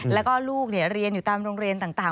แล้วก็ลูกเรียนอยู่ตามโรงเรียนต่าง